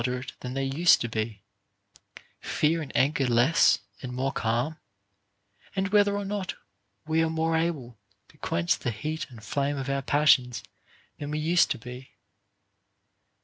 erate than they used to be, fear and anger less and more calm, and whether or no we are more able to quench the heat and flame of our passions than we used to be.